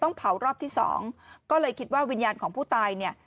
เผารอบที่สองก็เลยคิดว่าวิญญาณของผู้ตายเนี่ย